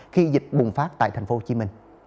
khi dịch bùng phát tại tp hcm